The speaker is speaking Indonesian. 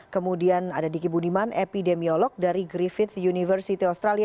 kemudian ada diki budiman epidemiolog dari griffith university australia